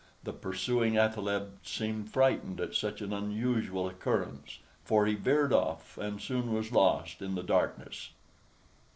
The pursuing athaleb seemed frightened at such an unusual occurrence, for he veered off, and soon was lost in the darkness.